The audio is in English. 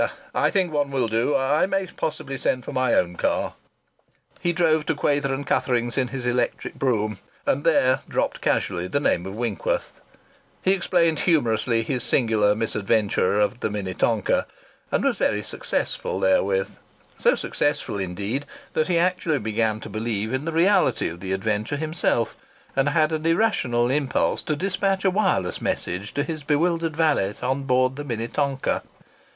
"I think one will do ... I may possibly send for my own car." He drove to Quayther & Cuthering's in his electric brougham and there dropped casually the name of Winkworth. He explained humorously his singular misadventure of the Minnetonka, and was very successful therewith so successful, indeed, that he actually began to believe in the reality of the adventure himself, and had an irrational impulse to dispatch a wireless message to his bewildered valet on board the Minnetonka.